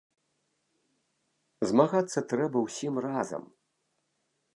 Змагацца трэба ўсім разам!